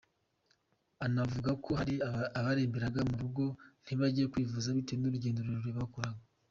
Anavuga ko hari abaremberaga mu ngo ntibajye kwivuza bitewe n’urugendo rurerure bakoraga.